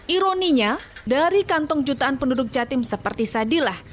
ironinya dari kantong jutaan penduduk jatim seperti sadilah